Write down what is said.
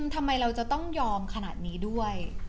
ทำไมเราจะต้องยอมขนาดนี้ด้วย